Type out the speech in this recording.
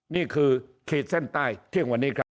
นี่คือเขตเส้นใต้เที่ยงวันนี้ครับ